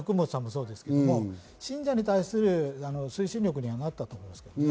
隣の福本さんもそうですが、信者に対する推進力にはなったと思いますけどね。